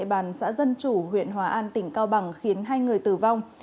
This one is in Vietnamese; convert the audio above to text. địa bàn xã dân chủ huyện hòa an tỉnh cao bằng khiến hai người tử vong